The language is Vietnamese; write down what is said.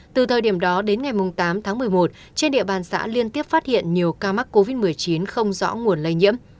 từ thời điểm đó đến ngày tám tháng một mươi một trên địa bàn xã liên tiếp phát hiện nhiều ca mắc covid một mươi chín không rõ nguồn lây nhiễm